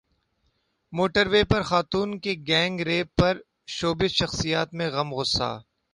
motor وے پر خاتون کے گینگ ریپ پرشوبز شخصیات میں غم غصہ